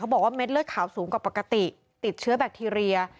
บอกว่าเม็ดเลือดขาวสูงกว่าปกติติดเชื้อแบคทีเรีย